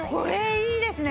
いいですね。